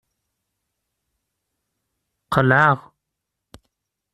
Qelɛeɣ.